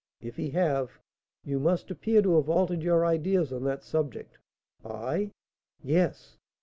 "If he have, you must appear to have altered your ideas on that subject." "I?" "Yes."